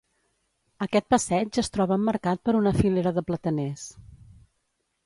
Aquest passeig es troba emmarcat per una filera de plataners.